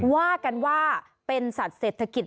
ว่ากันว่าเป็นสัตว์เศรษฐกิจ